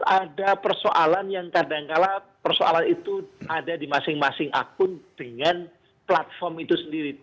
ada persoalan yang kadangkala persoalan itu ada di masing masing akun dengan platform itu sendiri